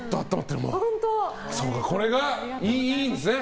これがいいんですね。